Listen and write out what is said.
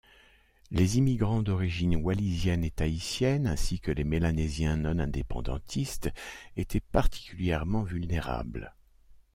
Les immigrants d'origine wallisienne et tahitienne ainsi que les Mélanésiens non-indépendantistes étaient particulièrement vulnérables.